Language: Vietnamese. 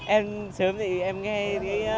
em sớm thì em nghe cái